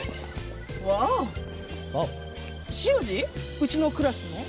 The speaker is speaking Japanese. うちのクラスの？